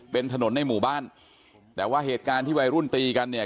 เป็นถนนในหมู่บ้านแต่ว่าเหตุการณ์ที่วัยรุ่นตีกันเนี่ย